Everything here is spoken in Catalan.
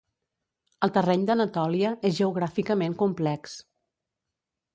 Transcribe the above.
El terreny d'Anatòlia és geogràficament complex.